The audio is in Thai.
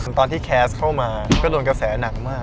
ตอนที่แคสต์เข้ามาก็โดนกระแสหนักมาก